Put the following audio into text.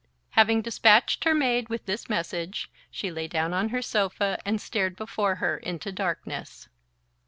Having despatched her maid with this message, she lay down on her sofa and stared before her into darkness...